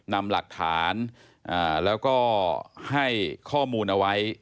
นำหลักฐานแล้วก็ให้ข้อมูลเอาไว้